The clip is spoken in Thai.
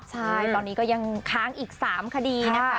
ใช่ตอนนี้ก็ยังค้างอีก๓คดีนะคะ